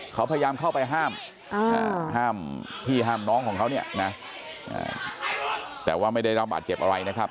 เขาพยายามเข้าไปห้ามห้ามพี่ห้ามน้องของเขาเนี่ยนะแต่ว่าไม่ได้รับบาดเจ็บอะไรนะครับ